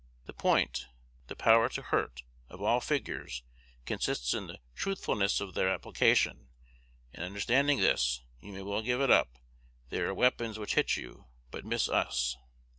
The point the power to hurt of all figures, consists in the truthfulness of their application; and, understanding this, you may well give it up. They are weapons which hit you, but miss us.